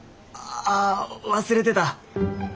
あ忘れてた。